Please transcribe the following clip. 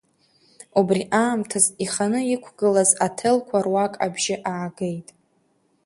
Убри аамҭаз иханы иқәгылаз аҭелқәа руак абжьы аагеит.